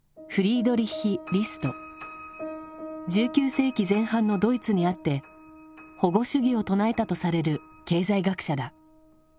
１９世紀前半のドイツにあって「保護主義」を唱えたとされる経済学者だ。